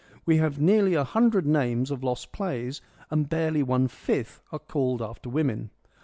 We have nearly a hundred names of lost plays, and barely one fifth are called after women.